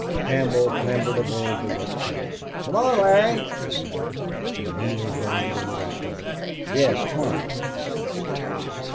Campbell clambered aboard the work train. "Come on, Larry," he said. And Neale joined in the request. "Yes, come," he said.